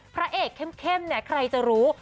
พระเอกเข้มใครจะรู้